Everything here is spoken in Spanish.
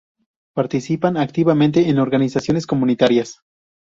Participan activamente en organizaciones comunitarias.